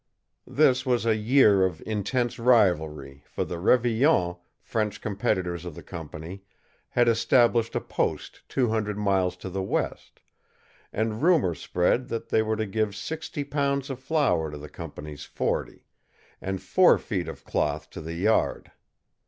This was a year of intense rivalry, for the Révillons, French competitors of the company, had established a post two hundred miles to the west, and rumor spread that they were to give sixty pounds of flour to the company's forty, and four feet of cloth to the yard.